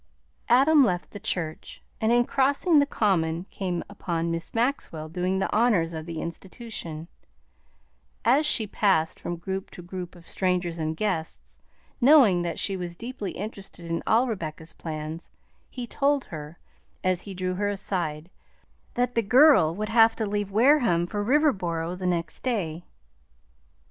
Adam left the church, and in crossing the common came upon Miss Maxwell doing the honors of the institution, as she passed from group to group of strangers and guests. Knowing that she was deeply interested in all Rebecca's plans, he told her, as he drew her aside, that the girl would have to leave Wareham for Riverboro the next day.